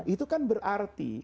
itu kan berarti